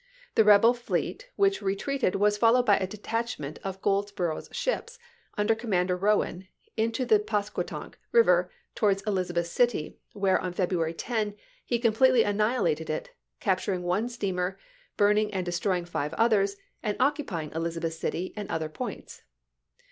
The rebel fleet which retreated was followed by a detachment of Golds borough's ships, under Commander Rowan, into Pasquotank River towards Elizabeth City, where, on February 10, he completely annihilated it, cap Gf.id. ^bor turing oue steamer, burning and destroying five ru 'JM.rts others, and occupying Elizabeth City and other and2o.i8C2. points.